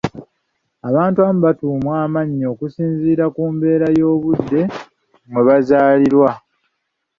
Abantu abamu batuumwa amannya okusinziira ku mbeera y’obudde mwe bazaalirwa.